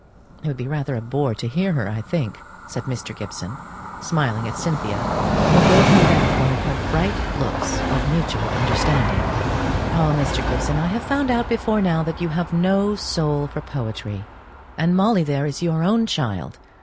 "It would be rather a bore to have to hear her, I think," said Mr. Gibson, smiling at Cynthia, who gave him back one of her bright looks of mutual understanding. "Ah, Mr. Gibson, I have found out before now that you have no soul for poetry; and Molly there is your own child.